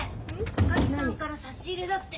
おかみさんから差し入れだって。